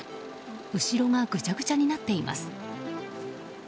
後ろがぐちゃぐちゃになっています。